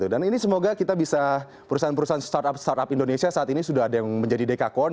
dan ini semoga kita bisa perusahaan perusahaan startup startup indonesia saat ini sudah ada yang menjadi dekakon